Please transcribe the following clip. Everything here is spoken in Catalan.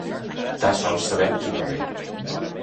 Tan sols sabem qui no ve.